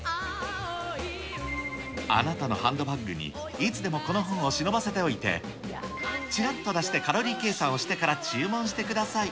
あなたのハンドバッグにいつでもこの本を忍ばせておいて、ちらっと出して、カロリー計算をしてから、注文してください。